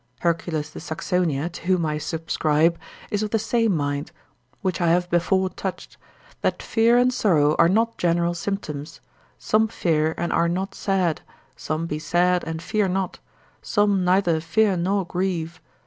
Hercules de Saxonia (to whom I subscribe) is of the same mind (which I have before touched) that fear and sorrow are not general symptoms; some fear and are not sad; some be sad and fear not; some neither fear nor grieve.